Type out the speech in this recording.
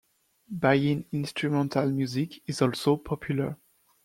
Bayin instrumental music is also popular.